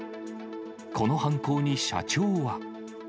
この犯行に社長は。